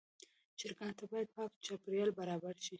چرګانو ته باید پاک چاپېریال برابر شي.